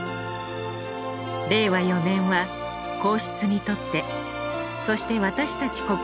令和４年は皇室にとってそして私たち